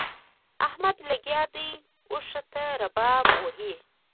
احمد لګيا دی؛ اوښ ته رباب وهي.